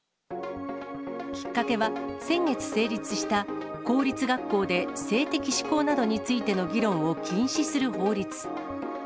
きっかけは先月成立した、公立学校で性的指向などについての議論を禁止する法律。